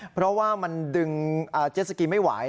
เพราะว่ามันดึงเจ็ดสกีไม่ไหว